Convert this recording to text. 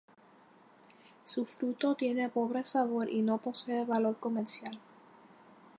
Su fruto tiene pobre sabor, y no posee valor comercial.